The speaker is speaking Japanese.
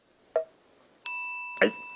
はい。